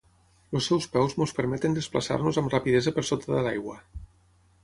Els seus peus ens permeten desplaçar-nos amb rapidesa per sota de l'aigua.